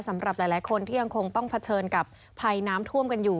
สำหรับหลายคนที่ยังคงต้องเผชิญกับภัยน้ำท่วมกันอยู่